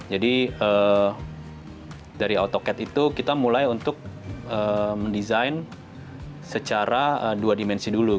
jadi dari autocad itu kita mulai untuk mendesain secara dua dimensi dulu